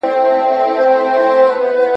ساینس پوهنځۍ په پټه نه بدلیږي.